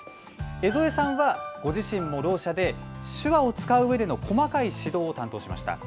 江副さんは、ご自身もろう者で手話を使ううえでの細かい指導を担当しました。